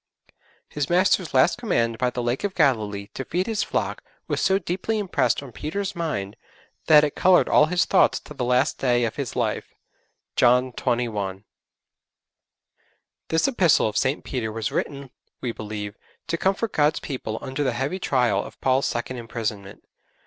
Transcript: His Master's last command by the Lake of Galilee to feed His flock was so deeply impressed on Peter's mind that it coloured all his thoughts to the last day of his life. (John xxi.) This Epistle of St. Peter was written, we believe, to comfort God's people under the heavy trial of Paul's second imprisonment.